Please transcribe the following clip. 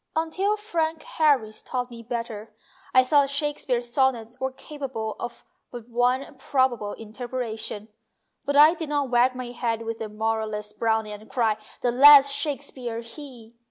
Until Frank Harris taught me better I thought Shakespeare's Sonnets were capable of but one probable interpretation ; but I did not wag my head with the moralist Browning and cry, "The less Shakespeare he